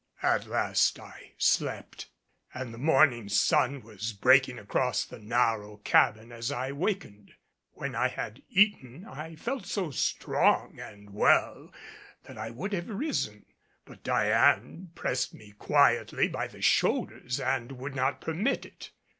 At last I slept; and the morning sun was breaking across the narrow cabin as I wakened. When I had eaten, I felt so strong and well that I would have risen, but Diane pressed me quietly by the shoulders and would not permit it.